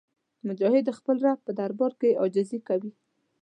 مجاهد د خپل رب په دربار کې عاجزي کوي.